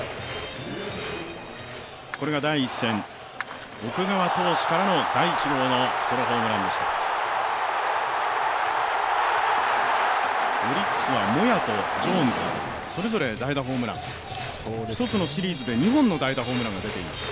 これが第１戦、奥川投手からの第１号ソロホームランでした。